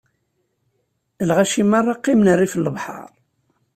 Lɣaci meṛṛa qqimen rrif n lebḥeṛ.